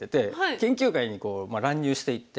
研究会にこう乱入していって。